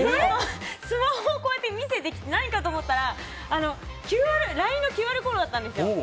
スマホを見せてきて何かと思ったらＬＩＮＥのＱＲコードだったんです。